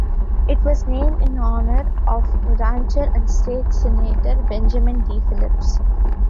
It was named in honor of rancher and state senator Benjamin D. Phillips.